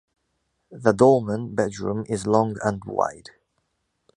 The dolmen bedroom is long and wide.